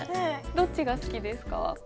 どっちが好きですか？